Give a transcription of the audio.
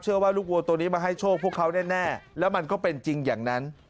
ว่าลูกวัวตัวนี้มาให้โชคพวกเขาแน่แล้วมันก็เป็นจริงอย่างนั้น